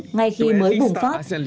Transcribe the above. ngay khi mới bùng phát